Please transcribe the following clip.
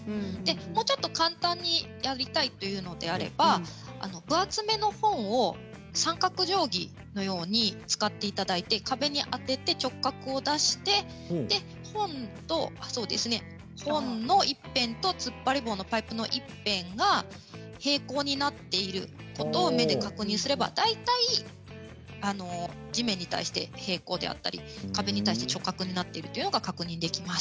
もうちょっと簡単にやりたいというのであれば分厚めの本を三角定規のように使っていただいて壁に当てて直角を出して本の一辺とつっぱり棒のパイプの一辺が平行になっていることを目で確認すれば大体、地面に対して平行だったり壁に対して直角になっているというのが確認できます。